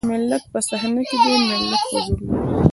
ملت په صحنه کې دی ملت حضور لري.